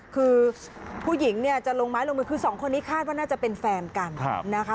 คือผู้หญิงเนี่ยจะลงไม้ลงมือคือสองคนนี้คาดว่าน่าจะเป็นแฟนกันนะคะ